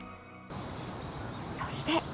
そして。